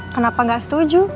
kenapa nggak setuju